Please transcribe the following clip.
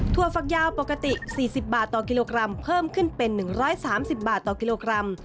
ถั่วฝักยาวปกติสี่สิบบาทต่อกิโลกรัมเพิ่มขึ้นเป็นหนึ่งร้อยสามสิบบาทต่อกิโลกรัม